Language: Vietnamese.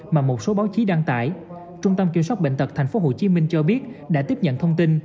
mà một số báo chí đăng tải trung tâm kiểm soát bệnh tật tp hcm cho biết đã tiếp nhận thông tin